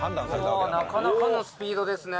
わあなかなかのスピードですね。